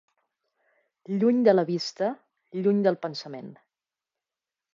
Lluny de la vista, lluny del pensament.